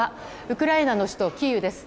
ウクライナの首都キーウです。